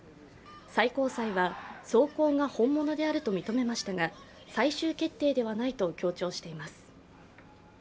最高裁は、草稿が本物であると認めましたが最終決定ではないと強調しています。